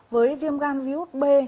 với viêm gan virus b